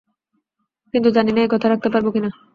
কিন্তু জানি না এই কথা রাখতে পারব কি না।